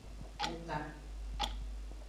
Hunka.